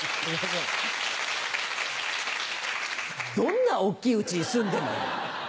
どんな大きいうちに住んでんだよ。